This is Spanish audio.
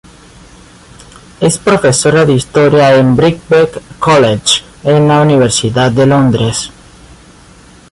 Es profesora de Historia en Birkbeck College de la Universidad de Londres.